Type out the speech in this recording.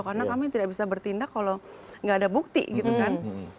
karena kami tidak bisa bertindak kalau tidak ada bukti gitu kan